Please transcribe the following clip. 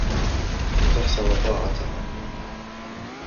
لِتَحْسُنَ طَاعَتُهَا